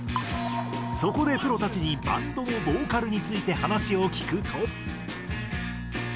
そこでプロたちにバンドのボーカルについて話を聞くと。